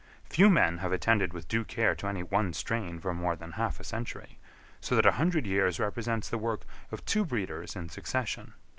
Few men have attended with due care to any one strain for more than half a century, so that a hundred years represents the work of two breeders in succession.